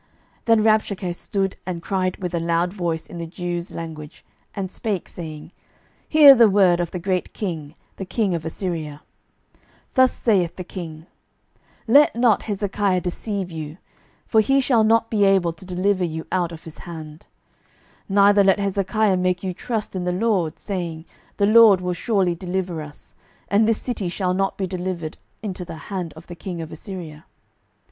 12:018:028 Then Rabshakeh stood and cried with a loud voice in the Jews' language, and spake, saying, Hear the word of the great king, the king of Assyria: 12:018:029 Thus saith the king, Let not Hezekiah deceive you: for he shall not be able to deliver you out of his hand: 12:018:030 Neither let Hezekiah make you trust in the LORD, saying, The LORD will surely deliver us, and this city shall not be delivered into the hand of the king of Assyria.